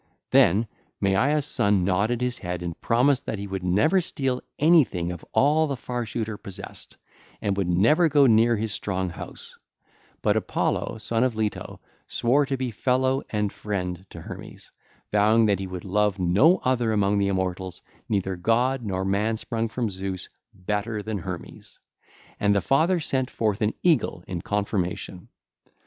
(ll. 521 549) Then Maia's son nodded his head and promised that he would never steal anything of all the Far shooter possessed, and would never go near his strong house; but Apollo, son of Leto, swore to be fellow and friend to Hermes, vowing that he would love no other among the immortals, neither god nor man sprung from Zeus, better than Hermes: and the Father sent forth an eagle in confirmation.